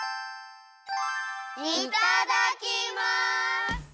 いただきます！